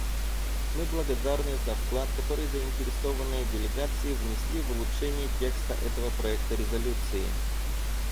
Мы благодарны за вклад, который заинтересованные делегации внесли в улучшение текста этого проекта резолюции.